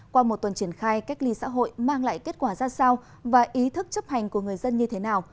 qua một tuần triển khai cách ly xã hội mang lại kết quả ra sao và ý thức chấp hành của người dân như thế nào